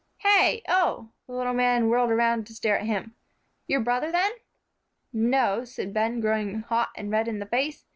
"Hey oh!" the little man whirled around to stare at him, "your brother then?" "No," said Ben, growing hot and red in the face.